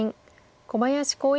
小林光一